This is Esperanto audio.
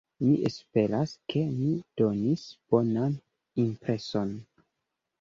Mi esperas, ke mi donis bonan impreson.